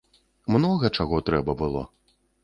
Многа чаго трэба было!